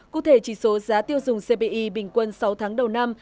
cụ thể chỉ số giá tiêu dùng cpi bình quân sáu tháng đầu năm